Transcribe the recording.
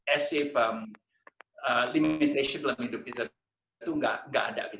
as if limitation dalam hidup kita itu tidak ada